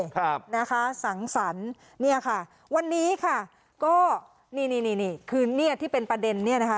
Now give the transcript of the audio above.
ครับนะคะสังสรรค์เนี่ยค่ะวันนี้ค่ะก็นี่นี่นี่คือเนี่ยที่เป็นประเด็นเนี่ยนะคะ